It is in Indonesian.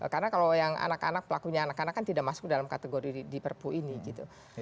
karena kalau yang anak anak pelakunya anak anak kan tidak masuk dalam kategori diperpu ini gitu